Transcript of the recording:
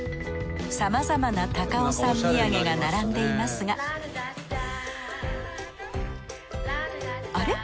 さまざまな高尾山土産が並んでいますがあれ？